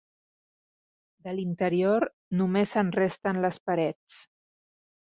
De l'interior només en resten les parets.